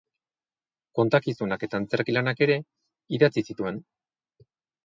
Kontakizunak eta antzerki-lanak ere idatzi zituen.